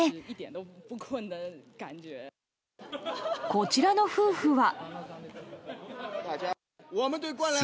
こちらの夫婦は。